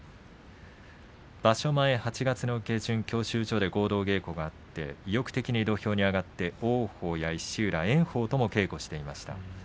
場所前８月の下旬教習所で合同稽古があって意欲的に土俵に上がって、王鵬や石浦、炎鵬とも稽古をしていました。